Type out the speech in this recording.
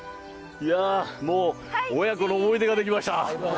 もう親子の思い出が出来ました。